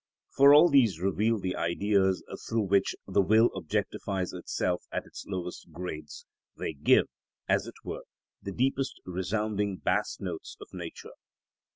For all these reveal the Ideas through which the will objectifies itself at its lowest grades, they give, as it were, the deepest resounding bass notes of nature.